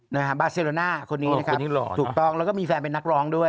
นะฮะบาเซโรน่าคนนี้นะครับถูกต้องแล้วก็มีแฟนเป็นนักร้องด้วย